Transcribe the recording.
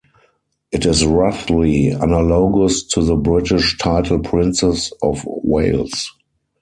It is roughly analogous to the British title Princess of Wales.